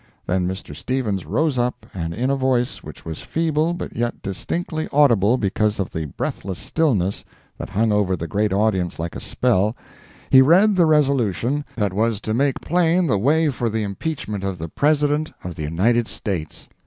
Then Mr. Stevens rose up and in a voice which was feeble but yet distinctly audible because of the breathless stillness that hung over the great audience like a spell, he read the resolution that was to make plain the way for the impeachment of the President of the United States!